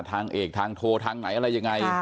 ทางเอกทางโทรทางไหนอะไรยังไง